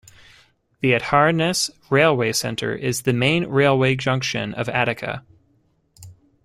The Acharnes Railway Center is the main railway junction of Attica.